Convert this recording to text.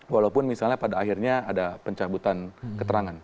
walaupun misalnya pada akhirnya ada pencabutan keterangan